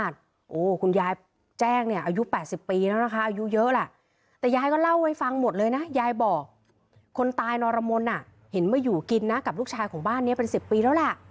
ต้องก็เล่าไว้ฟังหมดเลยนะยายบอกคนตายนอนรมนนะยังเห็นมาอยู่กินน่ะกับลูกชายของบ้านเนี่ยเป็น๑๐ปีแล้วล่ะ